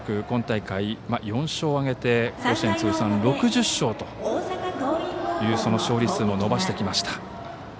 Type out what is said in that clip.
今大会、４勝を挙げて甲子園通算６０勝という勝利数を伸ばしてきました。